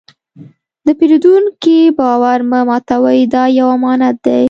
د پیرودونکي باور مه ماتوئ، دا یو امانت دی.